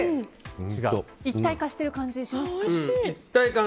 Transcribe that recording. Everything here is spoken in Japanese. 一体化してる感じしますか？